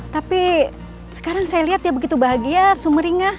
tapi sekarang saya lihat dia begitu bahagia sumeringah